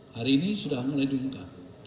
hari ini sudah mulai diungkap